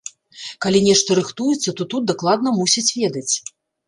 Калі нешта рыхтуецца, то тут дакладна мусяць ведаць.